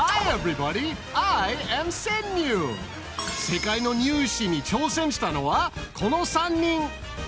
世界のニュー試に挑戦したのはこの３人。